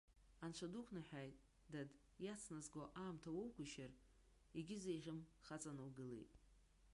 Анцәа дуқәныҳәааит, дад, иацназго аамҭа уоугәышьар, егьызеиӷьым хаҵаны угылеит!